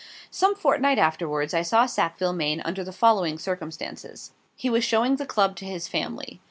Some fortnight afterwards I saw Sackville Maine under the following circumstances: He was showing the Club to his family.